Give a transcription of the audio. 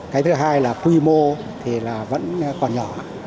cái thứ hai là quy mô vẫn còn nhỏ